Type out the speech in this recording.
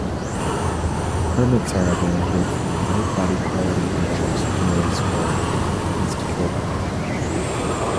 Permits are available from Lightbody Quality Butchers of Murray Square, East Kilbride.